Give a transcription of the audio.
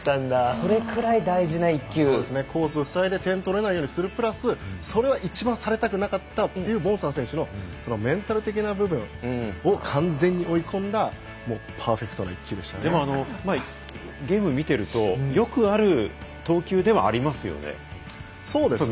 それぐらい大事な１球。コースをふさいで点が取れないようにするプラスそれは一番されたくなかったというボンサー選手のメンタル的な部分も完全に追い込んだゲームを見ているとよくある投球ではありますよね。